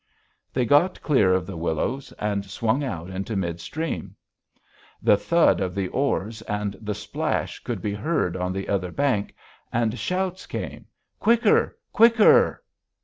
They got clear of the willows and swung out into mid stream. The thud of the oars and the splash could be heard on the other bank and shouts came: "Quicker! Quicker!"